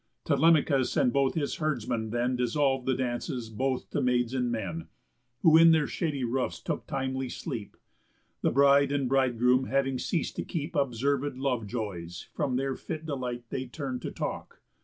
Telemachus and both his herdsmen then Dissolv'd the dances both to maids and men; Who in their shady roofs took timely sleep. The bride and bridegroom having ceas'd to keep Observéd love joys, from their fit delight They turn'd to talk.